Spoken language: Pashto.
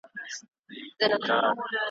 په څپلیو کي یې پښې یخی کېدلې `